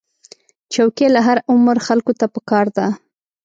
چوکۍ له هر عمر خلکو ته پکار ده.